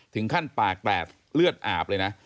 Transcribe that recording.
ถึงขั้นปากแตกเลือดอาบ